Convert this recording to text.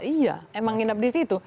iya emang nginep di situ